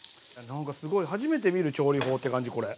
なんかすごい初めて見る調理法って感じこれ。